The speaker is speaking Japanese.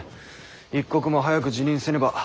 一刻も早く辞任せねば。